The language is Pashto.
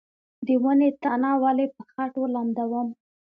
د ونې تنه ولې په خټو لمدوم؟